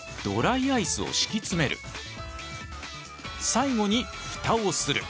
最後に蓋をする。